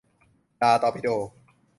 ดาตอร์ปิโด